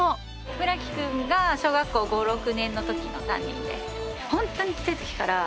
村木君が小学校５６年の時の担任です。